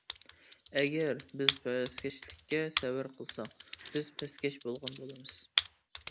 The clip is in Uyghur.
ئەگەر بىز پەسكەشلىككە سەۋر قىلساق، بىز پەسكەش بولغان بولىمىز.